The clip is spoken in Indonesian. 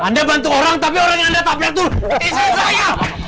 anda bantu orang tapi orang yang anda tak beli itu isi saya